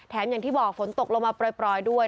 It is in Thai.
อย่างที่บอกฝนตกลงมาปล่อยด้วย